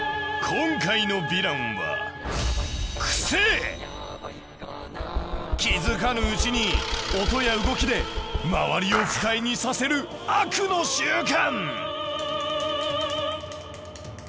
今回のヴィランは気付かぬうちに音や動きで周りを不快にさせる悪の習慣。